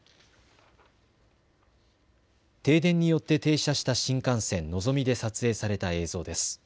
停電によって停車した新幹線、のぞみで撮影された映像です。